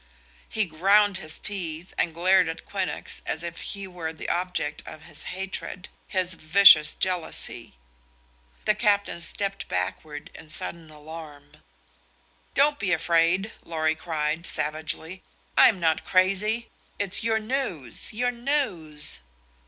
He ground his teeth and glared at Quinnox as if he were the object of his hatred, his vicious jealousy. The captain stepped backward in sudden alarm. "Don't be afraid!" Lorry cried, savagely. "I'm not crazy. It's your news your news!